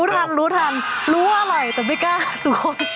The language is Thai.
รู้ทันรู้ว่าอร่อยแต่ไม่กล้าสุโค้ย